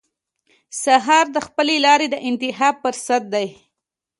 سهار د خپلې لارې د انتخاب فرصت دی.